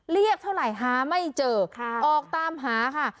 เรียกเท่าไหร่หาไม่เจอออกตามหาค่ะ